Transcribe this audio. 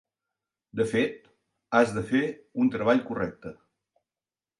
De fet, has de fer un treball correcte.